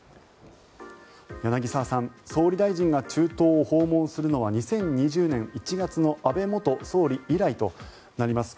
柳澤さん総理大臣が中東を訪問するのは２０２０年１月の安倍元総理以来となります。